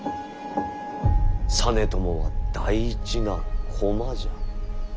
実朝は大事な駒じゃ。